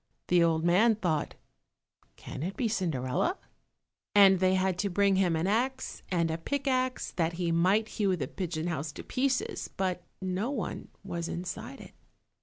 The old man thought, "Can it be Cinderella?" and they had to bring him an axe and a pickaxe that he might hew the pigeon house to pieces, but no one was inside it.